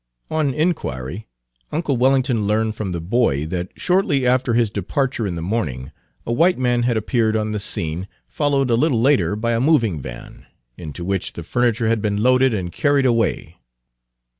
On inquiry uncle Wellington learned from the boy that shortly after his departure in the morning a white man had appeared on the scene, followed a little later by a moving van, into which the furniture had been loaded and carried away.